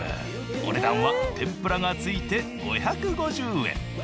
お値段は天ぷらが付いて５５０円。